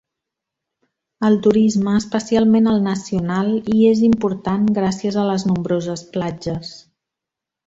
El turisme, especialment el nacional, hi és important, gràcies a les nombroses platges.